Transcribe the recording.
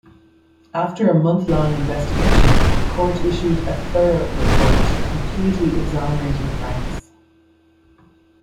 After a month-long investigation, the court issued a thorough report completely exonerating Franks.